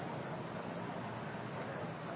โปรดติดตามต่อไป